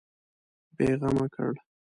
بېغمه کړ.